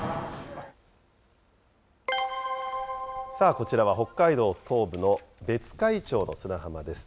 こちらは北海道東部の別海町の砂浜です。